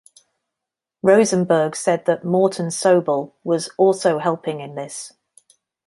Rosenberg said that Morton Sobell was "also helping in this".